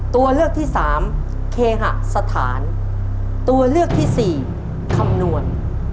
ตัวเลือกที่สามเคหสถานตัวเลือกที่สี่คำนวณ